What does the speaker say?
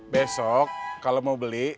besok kalau mau beli